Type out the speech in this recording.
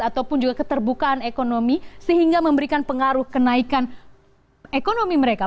ataupun juga keterbukaan ekonomi sehingga memberikan pengaruh kenaikan ekonomi mereka